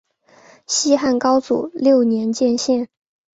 西汉高祖六年建县。